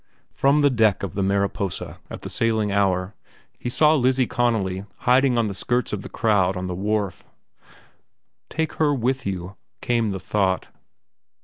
From the deck of the Mariposa, at the sailing hour, he saw Lizzie Connolly hiding in the skirts of the crowd on the wharf. Take her with you, came the thought.